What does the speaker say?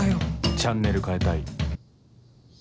チャンネル替えたい